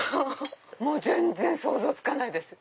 全然想像つかないです。